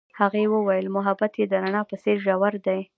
هغې وویل محبت یې د رڼا په څېر ژور دی.